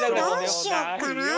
どうしよっかなあ？